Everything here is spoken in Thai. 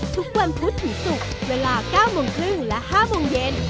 ทุกวันภูติสุขเวลา๙โมงครึ่งและ๕โมงเย็น